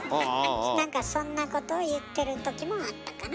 なんかそんなことを言ってるときもあったかな。